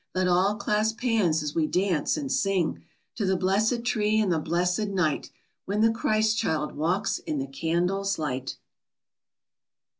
Let all clasp hands as we dance and sing To the blessed tree and the blessed night When the Christ child walks in the candles' light!